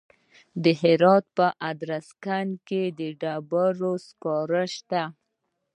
د هرات په ادرسکن کې د ډبرو سکاره شته.